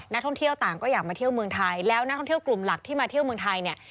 นักท่องเที่ยวต่างก็อยากมาเที่ยวเมืองไทยแล้วนักท่องเที่ยวกลุ่มหลักที่มาเที่ยวเมืองไทยเนี่ย